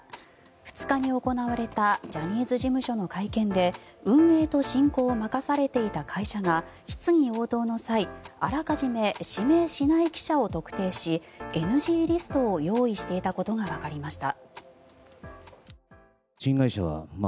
２日に行われたジャニーズ事務所の会見で運営と進行を任されていた会社が質疑応答の際あらかじめ指名しない記者を特定しＮＧリストを用意していたことがわかりました。